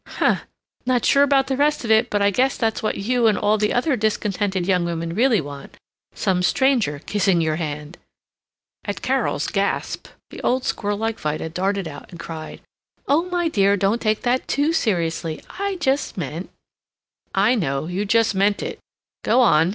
"Huh! Not sure about the rest of it but I guess that's what you and all the other discontented young women really want: some stranger kissing your hand!" At Carol's gasp, the old squirrel like Vida darted out and cried, "Oh, my dear, don't take that too seriously. I just meant " "I know. You just meant it. Go on.